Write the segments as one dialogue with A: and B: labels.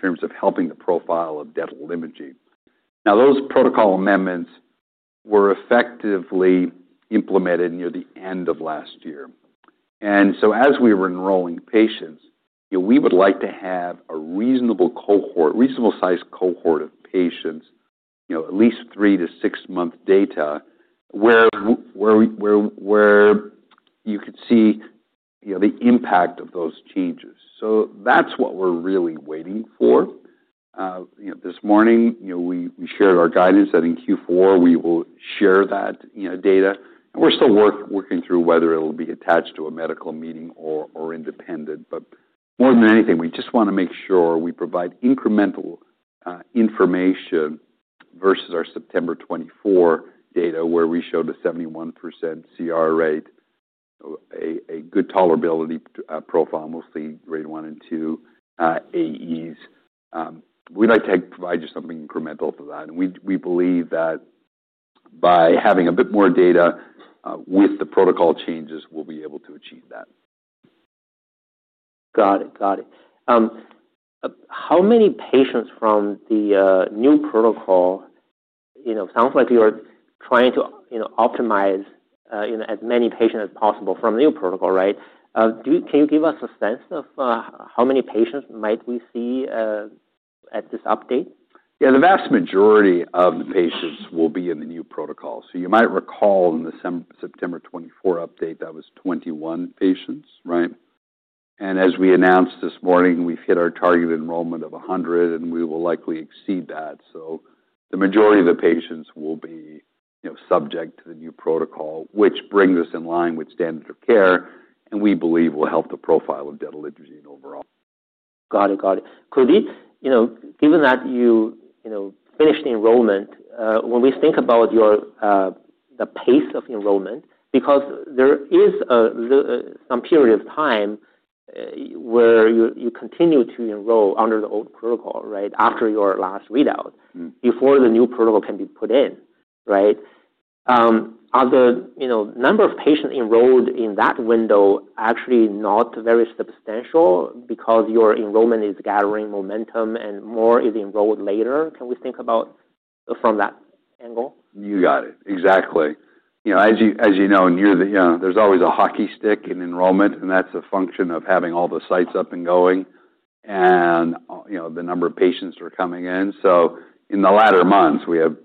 A: Late, in terms of helping the profile of detalimogene voraplasmid. Now, those protocol amendments were effectively implemented near the end of last year. As we were enrolling patients, we would like to have a reasonable cohort, reasonable size cohort of patients, at least three to six months' data where you could see the impact of those changes. That's what we're really waiting for. This morning, we shared our guidance that in Q4, we will share that data. We're still working through whether it'll be attached to a medical meeting or independent. More than anything, we just want to make sure we provide incremental information versus our September 2024 data where we showed a 71% CR rate, a good tolerability profile, mostly grade 1 and 2 AEs. We'd like to provide you something incremental for that. We believe that by having a bit more data with the protocol changes, we'll be able to achieve that.
B: Got it. How many patients from the new protocol? It sounds like you're trying to optimize as many patients as possible from the new protocol, right? Can you give us a sense of how many patients might we see at this update?
A: Yeah, the vast majority of the patients will be in the new protocol. You might recall in the September 2024 update that was 21 patients, right? As we announced this morning, we've hit our target enrollment of 100, and we will likely exceed that. The majority of the patients will be, you know, subject to the new protocol, which brings us in line with standard of care, and we believe will help the profile of detalimogene overall.
B: Got it. Could these, you know, given that you finished the enrollment, when we think about your pace of enrollment, because there is a little some period of time where you continue to enroll under the old protocol, right, after your last readout, before the new protocol can be put in, right? Are the number of patients enrolled in that window actually not very substantial because your enrollment is gathering momentum and more is enrolled later? Can we think about from that angle?
A: You got it. Exactly. As you know, near the end, there's always a hockey stick in enrollment, and that's a function of having all the sites up and going and the number of patients who are coming in. In the latter months, we have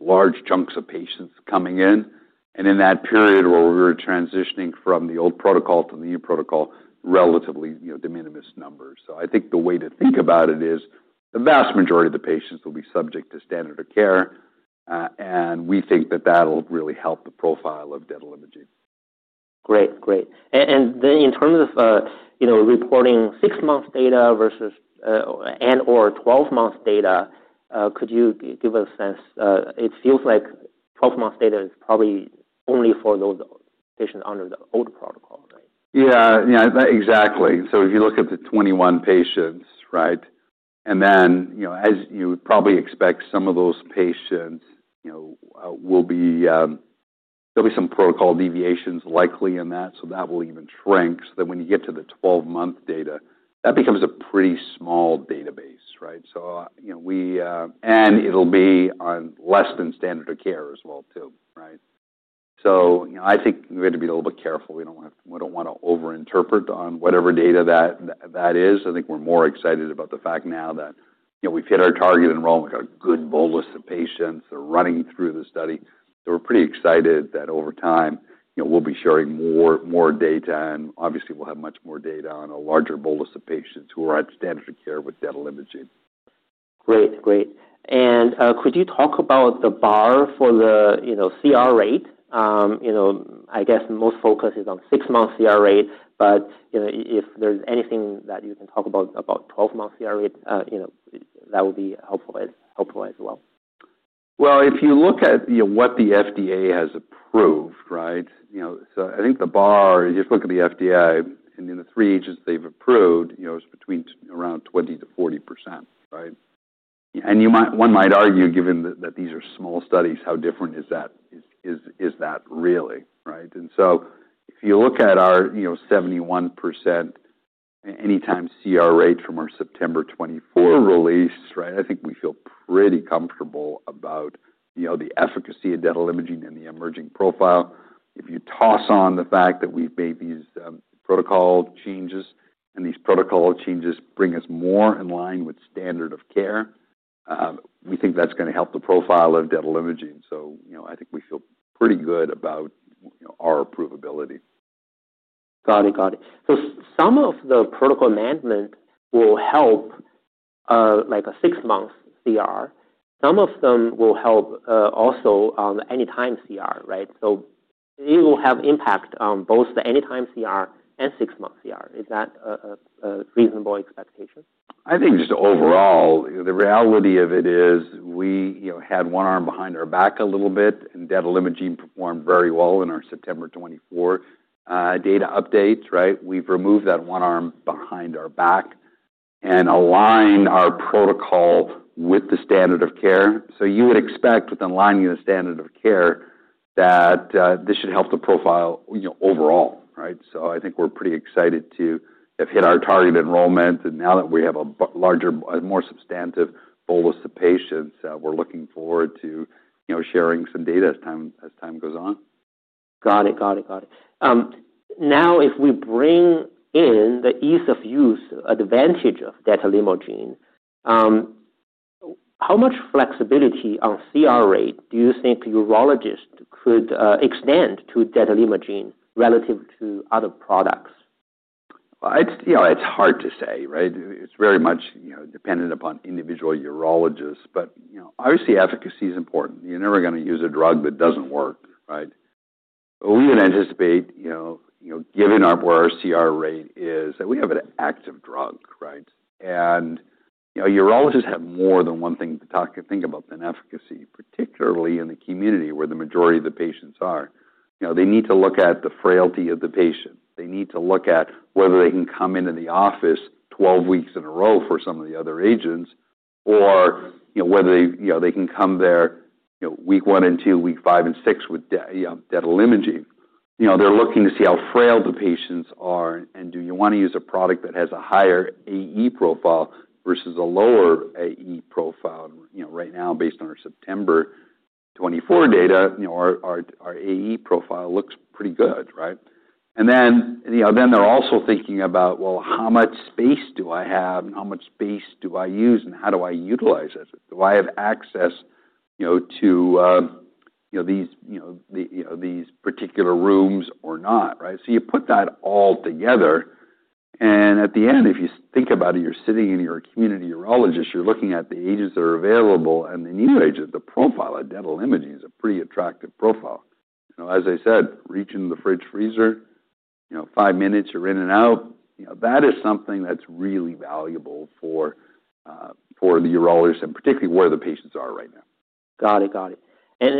A: large chunks of patients coming in. In that period where we were transitioning from the old protocol to the new protocol, relatively de minimis numbers. I think the way to think about it is the vast majority of the patients will be subject to standard of care, and we think that that'll really help the profile of detalimogene.
B: Great. In terms of reporting six months' data versus and/or 12 months' data, could you give us a sense? It feels like 12 months' data is probably only for those patients under the old protocol, right?
A: Yeah, exactly. If you look at the 21 patients, as you would probably expect, some of those patients will be, there'll be some protocol deviations likely in that. That will even shrink. When you get to the 12 months' data, that becomes a pretty small database, right? We, and it'll be on less than standard of care as well too, right? I think we have to be a little bit careful. We don't want to over-interpret on whatever data that is. I think we're more excited about the fact now that we've hit our target enrollment, got a good bolus of patients that are running through the study. We're pretty excited that over time we'll be sharing more and more data, and obviously, we'll have much more data on a larger bolus of patients who are at standard of care with detalimogene.
B: Great. Could you talk about the bar for the CR rate? I guess most focus is on six months' CR rate, but if there's anything that you can talk about about 12 months' CR rate, that would be helpful as well.
A: If you look at what the FDA has approved, I think the bar, if you look at the FDA, the three agents they've approved, it's between around 20% - 40%, right? You might argue, given that these are small studies, how different is that? Is that really, right? If you look at our 71% anytime complete response rate from our September 24 release, I think we feel pretty comfortable about the efficacy of detalimogene and the emerging profile. If you toss on the fact that we've made these protocol changes and these protocol changes bring us more in line with standard of care, we think that's going to help the profile of detalimogene. I think we feel pretty good about our approvability.
B: Got it. Some of the protocol management will help like a six months CR. Some of them will help also on the anytime CR, right? You will have impact on both the anytime CR and six months CR. Is that a reasonable expectation?
A: I think just overall, the reality of it is we had one arm behind our back a little bit, and detalimogene performed very well in our September 2024 data updates, right? We've removed that one arm behind our back and aligned our protocol with the standard of care. You would expect within aligning the standard of care that this should help the profile overall, right? I think we're pretty excited to have hit our target enrollment. Now that we have a larger, more substantive bolus of patients, we're looking forward to sharing some data as time goes on.
B: Got it. Now, if we bring in the ease of use advantage of detalimogene, how much flexibility on CR rate do you think urologists could extend to detalimogene relative to other products?
A: It's hard to say, right? It's very much dependent upon individual urologists. Obviously, efficacy is important. You're never going to use a drug that doesn't work, right? We would anticipate, given where our CR rate is, that we have an active drug, right? Urologists have more than one thing to talk and think about than efficacy, particularly in the community where the majority of the patients are. They need to look at the frailty of the patient. They need to look at whether they can come into the office 12 weeks in a row for some of the other agents or whether they can come there week one and two, week five and six with detalimogene. They're looking to see how frail the patients are, and do you want to use a product that has a higher AE profile versus a lower AE profile? Right now, based on our September 2024 data, our AE profile looks pretty good, right? They're also thinking about how much space do I have, and how much space do I use, and how do I utilize it? Do I have access to these particular rooms or not, right? You put that all together. At the end, if you think about it, you're sitting in your community urologist, you're looking at the agents that are available and the new agent, the profile at detalimogene voraplasmid is a pretty attractive profile. As I said, reaching the fridge freezer, five minutes, you're in and out. That is something that's really valuable for the urologists, and particularly where the patients are right now.
B: Got it.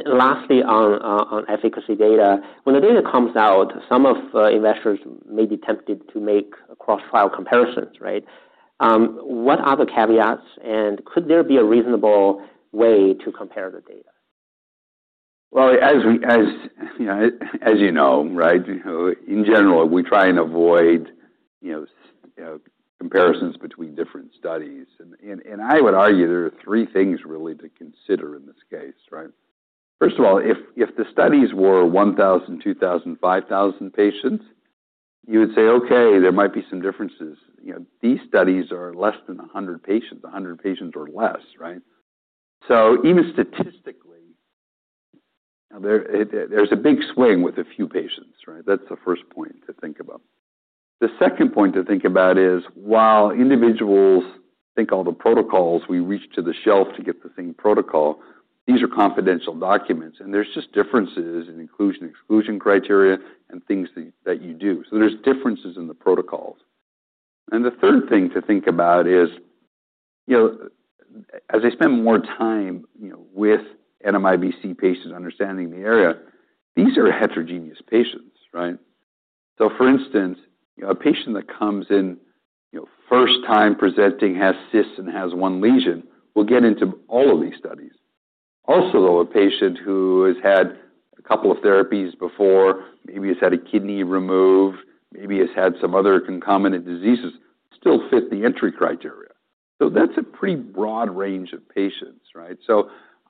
B: Lastly, on efficacy data, when the data comes out, some investors may be tempted to make cross-file comparisons, right? What are the caveats, and could there be a reasonable way to compare the data?
A: As you know, in general, we try and avoid comparisons between different studies. I would argue there are three things really to consider in this case. First of all, if the studies were 1,000, 2,000, 5,000 patients, you would say, okay, there might be some differences. These studies are less than 100 patients, 100 patients or less. Even statistically, there's a big swing with a few patients. That's the first point to think about. The second point to think about is, while individuals think all the protocols, we reach to the shelf to get the same protocol, these are confidential documents, and there's just differences in inclusion/exclusion criteria and things that you do. There's differences in the protocols. The third thing to think about is, as I spend more time with NMIBC patients understanding the area, these are heterogeneous patients. For instance, a patient that comes in first time presenting, has cysts and has one lesion, will get into all of these studies. Also, though, a patient who has had a couple of therapies before, maybe has had a kidney removed, maybe has had some other concomitant diseases, still fits the entry criteria. That's a pretty broad range of patients.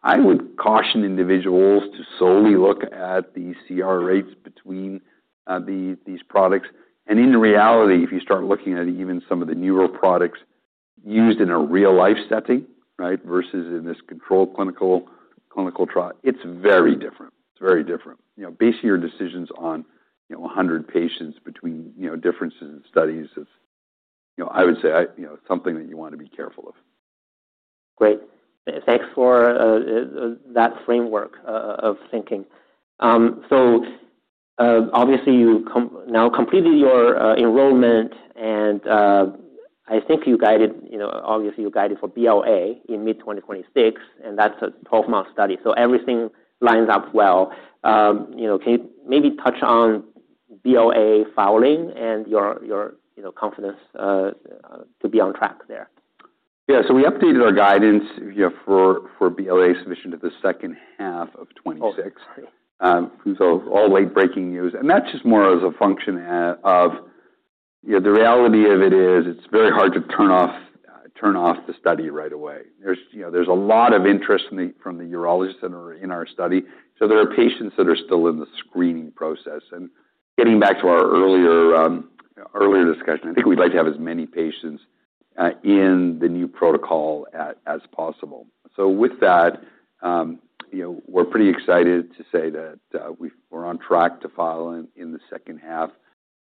A: I would caution individuals to solely look at the CR rates between these products. In reality, if you start looking at even some of the newer products used in a real-life setting versus in this controlled clinical trial, it's very different. It's very different. Basing your decisions on 100 patients between differences in studies is something that you want to be careful of.
B: Great. Thanks for that framework of thinking. Obviously, you now completed your enrollment, and I think you guided, you know, you guided for BLA in mid-2026, and that's a 12-month study. Everything lines up well. Can you maybe touch on BLA filing and your confidence to be on track there?
A: Yeah. We updated our guidance for BLA submission to the second half of 2026. All late breaking news. That's just more as a function of the reality of it is it's very hard to turn off the study right away. There's a lot of interest from the urologists that are in our study. There are patients that are still in the screening process. Getting back to our earlier discussion, I think we'd like to have as many patients in the new protocol as possible. With that, we're pretty excited to say that we're on track to file in the second half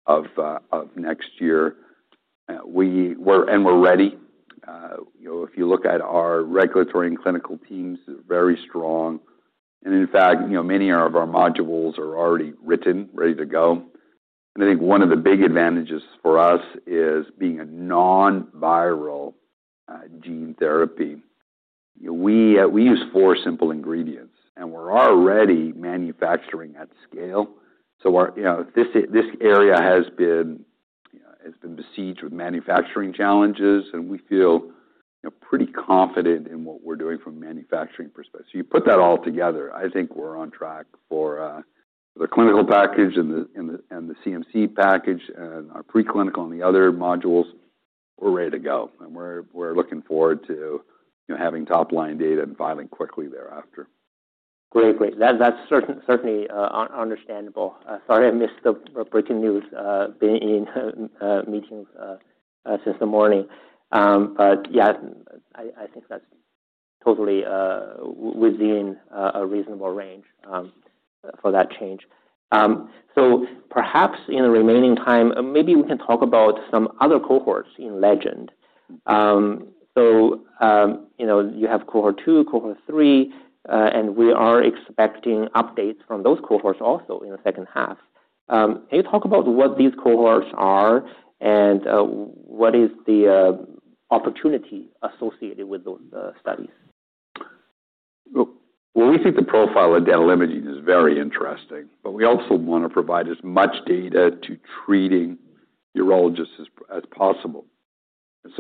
A: of next year. We're ready. If you look at our regulatory and clinical teams, they're very strong. In fact, many of our modules are already written, ready to go. I think one of the big advantages for us is being a non-viral gene therapy. We use four simple ingredients, and we're already manufacturing at scale. This area has been besieged with manufacturing challenges, and we feel pretty confident in what we're doing from a manufacturing perspective. You put that all together, I think we're on track for the clinical package and the CMC package and our preclinical and the other modules. We're ready to go. We're looking forward to having top-line data and filing quickly thereafter.
B: Great. That's certainly understandable. Sorry, I missed the breaking news, being in meetings since the morning. Yeah, I think that's totally within a reasonable range for that change. Perhaps in the remaining time, maybe we can talk about some other cohorts in LEGEND. You have cohort two, cohort three, and we are expecting updates from those cohorts also in the second half. Can you talk about what these cohorts are and what is the opportunity associated with the studies?
A: We think the profile of detalimogene is very interesting, but we also want to provide as much data to treating urologists as possible.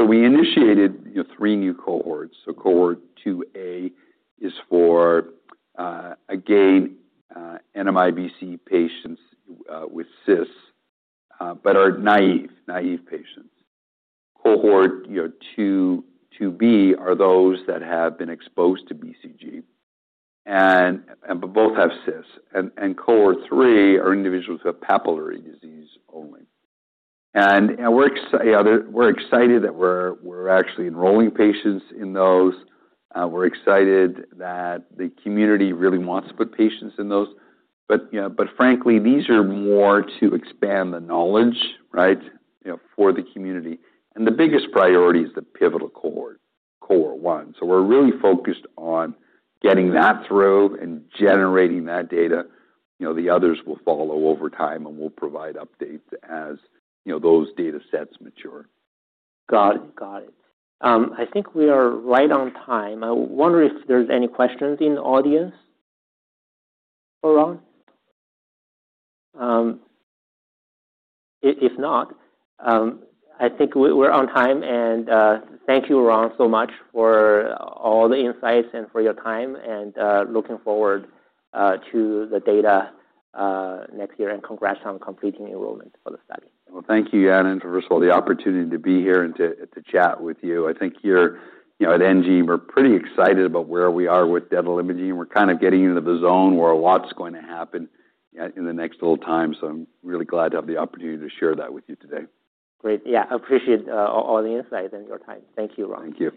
A: We initiated three new cohorts. Cohort 2a is for, again, NMIBC patients with cysts, but are naive patients. Cohort 2b are those that have been exposed to BCG, and both have cysts. Cohort 3 are individuals who have papillary disease only. We're excited that we're actually enrolling patients in those. We're excited that the community really wants to put patients in those. Frankly, these are more to expand the knowledge, right, for the community. The biggest priority is the pivotal cohort, Cohort 1. We're really focused on getting that through and generating that data. The others will follow over time and we'll provide updates as those data sets mature.
B: Got it. I think we are right on time. I wonder if there's any questions in the audience, Oron. If not, I think we're on time. Thank you, Ron, so much for all the insights and for your time. Looking forward to the data next year. Congrats on completing enrollment for the study.
A: Thank you, Yan, and to Rachel, for the opportunity to be here and to chat with you. I think at enGene, we're pretty excited about where we are with detalimogene. We're kind of getting into the zone where a lot's going to happen in the next little time. I'm really glad to have the opportunity to share that with you today.
B: Great. Yeah, I appreciate all the insights and your time. Thank you, Ron.
A: Thank you.